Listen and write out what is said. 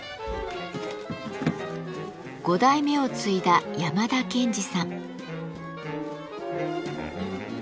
５代目を継いだ山田憲司さん。